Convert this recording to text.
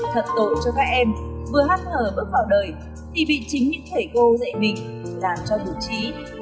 thật tội cho các em vừa hăn hở bước vào đời thì bị chính những thể cô dạy mình làm cho đủ trí